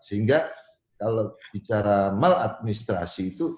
sehingga kalau bicara maladministrasi itu